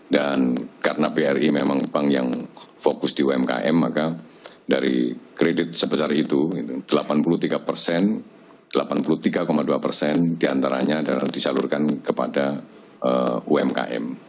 dan karena bri memang bank yang fokus di umkm maka dari kredit sebesar itu delapan puluh tiga persen delapan puluh tiga dua persen diantaranya disalurkan kepada umkm